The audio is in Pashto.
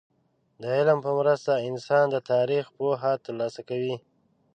د علم په مرسته انسان د تاريخ پوهه ترلاسه کوي.